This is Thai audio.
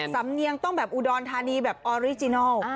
สำเนียงต้องแบบอุดรธานีแบบออริจินัล